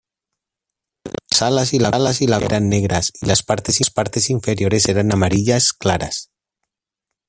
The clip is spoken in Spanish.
Las alas y la cola eran negras y las partes inferiores eran amarillas claras.